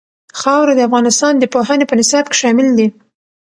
خاوره د افغانستان د پوهنې په نصاب کې شامل دي.